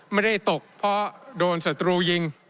ไม่ได้ตกเพราะโดนศัตรูยิง